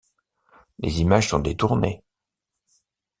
Les images sont détournées.